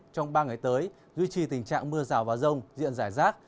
trong ba ngày tới duy trì tình trạng mưa rào và rông diện rải rác